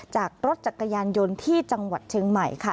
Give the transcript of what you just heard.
จากรถจักรยานยนต์ที่จังหวัดเชียงใหม่ค่ะ